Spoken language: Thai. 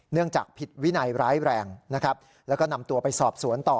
จากผิดวินัยร้ายแรงนะครับแล้วก็นำตัวไปสอบสวนต่อ